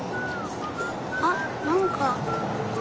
あっなんか。